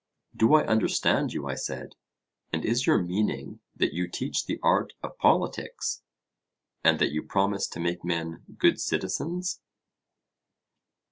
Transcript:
Do I understand you, I said; and is your meaning that you teach the art of politics, and that you promise to make men good citizens?